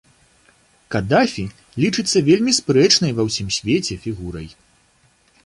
Кадафі лічыцца вельмі спрэчнай ва ўсім свеце фігурай.